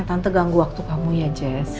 tante ganggu waktu kamu ya jess